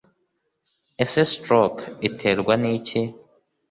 Ese Stroke iterwa n'iki